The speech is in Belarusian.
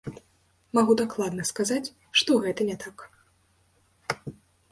Магу дакладна сказаць, што гэта не так.